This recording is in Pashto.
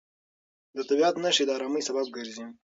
د طبیعت نښې د ارامۍ سبب ګرځي.